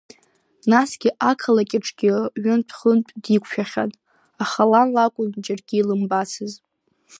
Насгьы ақалақь аҿгьы ҩынтә-хынтә диқәшәахьан, аха лан лакәын џьаргьы илымбацыз.